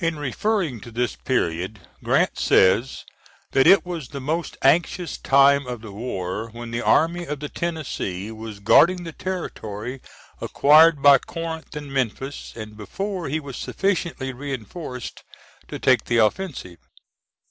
[In referring to this period, Grant says that it was the most anxious time of the war when the Army of the Tennessee was guarding the territory acquired by Corinth and Memphis, and before he was sufficiently reinforced to take the offensive.